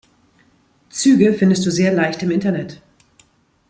Züge findest du sehr leicht im Internet.